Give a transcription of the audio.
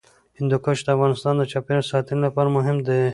هندوکش د افغانستان د چاپیریال ساتنې لپاره مهم دي.